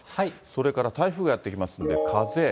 それから台風がやって来ますんで、風。